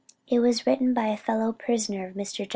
It was written by a fellow prisoner of Mr. J.